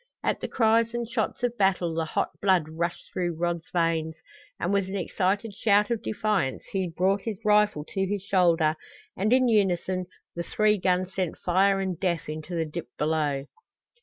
At the cries and shots of battle the hot blood rushed through Rod's veins, and with an excited shout of defiance he brought his rifle to his shoulder and in unison the three guns sent fire and death into the dip below.